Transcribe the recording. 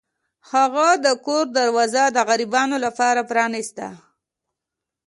هغه د کور دروازه د غریبانو لپاره پرانیسته.